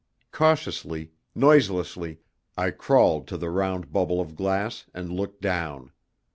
Cautiously, noiselessly, I crawled to the round bubble of glass and looked down.